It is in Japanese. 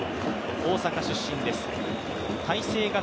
大阪出身です。